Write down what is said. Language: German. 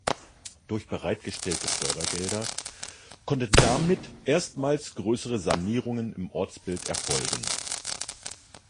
Durch bereitgestellte Fördergelder konnten damit erstmals größere Sanierungen im Ortsbild erfolgen.